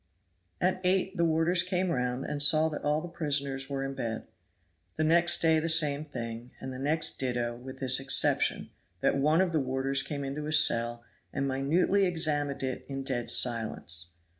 At eight the warders came round and saw that all the prisoners were in bed. The next day the same thing, and the next ditto, with this exception, that one of the warders came into his cell and minutely examined it in dead silence.